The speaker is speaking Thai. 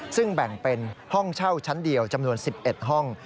ซึ่งแบ่งเป็นห้องเช่าชั้นเดียวจำนวน๑๑ห้อง